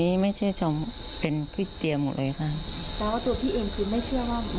แต่ว่าตัวพี่เองคือไม่เชื่อว่าหมอดูหมอดวงเป็นคนชี้น้ำให้ไปเจอ